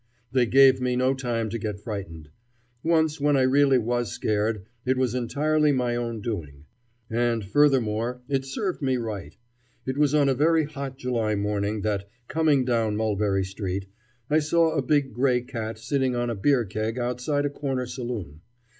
They gave me no time to get frightened. Once when I really was scared, it was entirely my own doing. And, furthermore, it served me right. It was on a very hot July morning that, coming down Mulberry Street, I saw a big gray cat sitting on a beer keg outside a corner saloon.